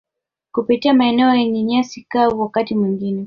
kupitia maeneo yenye nyasi kavu wakati mwingine